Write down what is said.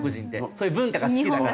そういう文化が好きだから。